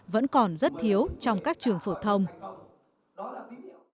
vẫn còn rất thiếu trong các trường phổ thông